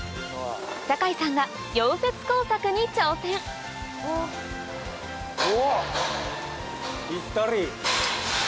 酒井さんが溶接工作に挑戦おっ！